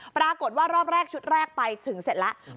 ปรากฏว่ารอบแรกชุดแรกไปถึงเสร็จแล้ว